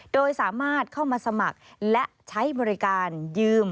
โดยสามารถเข้ามาสมัครและใช้บริการยืม